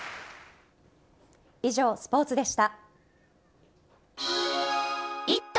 以上、スポーツでした。